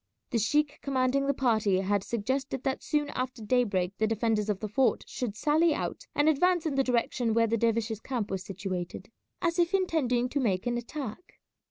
The sheik commanding the party had suggested that soon after daybreak the defenders of the fort should sally out and advance in the direction where the dervishes' camp was situated, as if intending to make an attack.